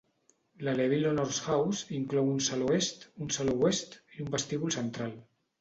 La Laville Honors House inclou un saló est, un saló oest i un vestíbul central.